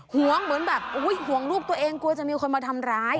ห่วงเหมือนแบบห่วงลูกตัวเองกลัวจะมีคนมาทำร้าย